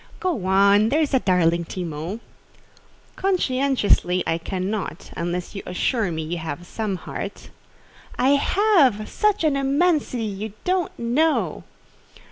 '" "Go on, there's a darling Timon." "Conscientiously, I cannot, unless you assure me you have some heart." "I have—such an immensity, you don't know!"